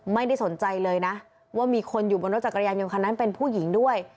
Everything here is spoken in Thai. ไม่ได้สนใจเลยนะว่ามีคนอยู่บนรถจักรยานยนต์คันนั้นเป็นผู้หญิงด้วย